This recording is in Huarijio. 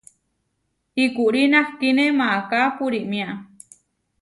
Ikurí nahkíne maaká purímia.